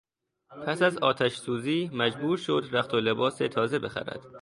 پس از آتشسوزی مجبور شد رخت و لباس تازه بخرد.